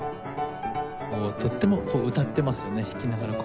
とっても歌ってますよね弾きながら。